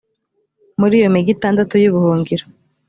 muri iyo migi itandatu y’ubuhungiro,